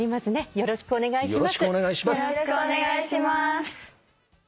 よろしくお願いします。